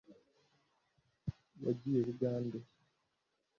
Wagiye Bugande